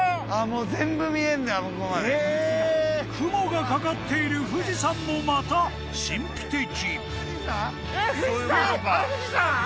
もう全部見えんだ雲がかかっている富士山もまた神秘的えっあれ富士山？